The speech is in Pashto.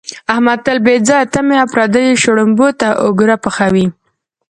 احمد تل بې ځایه تمې او پردیو شړومبو ته اوګره پحوي.